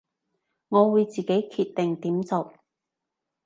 我會自己決定點做